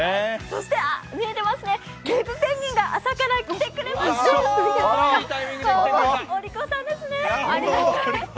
そして、見えてますね、ケープペンギンが朝から来てくれました。